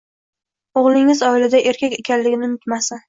o‘g‘lingiz oilada erkak ekanligini unutmasin.